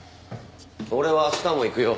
俺は明日も行くよ。